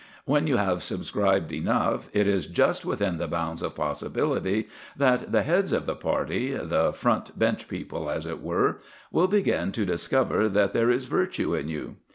When you have subscribed enough, it is just within the bounds of possibility that the heads of the party the Front Bench people, as it were will begin to discover that there is virtue in you.